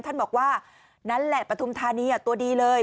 ท่านบอกว่านั่นแหละปฐุมธานีตัวดีเลย